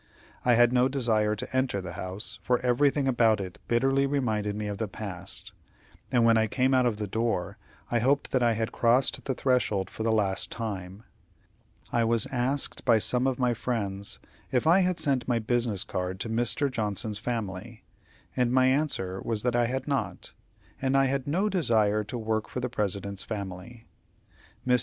I had no desire to enter the house, for everything about it bitterly reminded me of the past; and when I came out of the door, I hoped that I had crossed the threshold for the last time. I was asked by some of my friends if I had sent my business cards to Mr. Johnson's family, and my answer was that I had not, as I had no desire to work for the President's family. Mr.